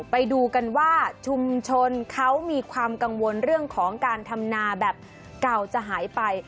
ไปดูกันว่าชุมชนเขามีความกังวลเรื่องของการทำนาแบบเก่าจะหายไป